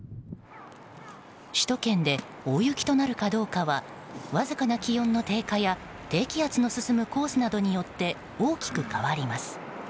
首都圏で大雪となるかどうかはわずかな気温の低下や低気圧が進むコースなどによって大きく変わります。